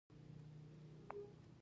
اوس څه ستونزه ده